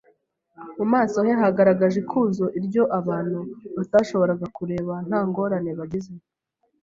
mu maso he hagaragaje ikuzo iryo abantu batashoboraga kureba nta ngorane bagize,